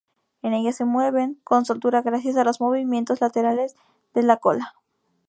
En ella se mueven con soltura gracias a los movimientos laterales de la cola.